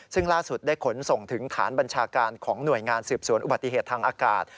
ซึ่งล่าสุดได้ขนส่งถึงฐานบัญชาการของหน่วยงานสืบสวนอุบัติเหตุทางอากาศ